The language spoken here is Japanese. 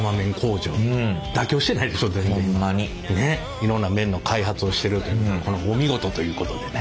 いろんな麺の開発をしてるというお見事ということでね。